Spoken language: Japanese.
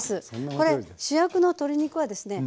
これ主役の鶏肉はですね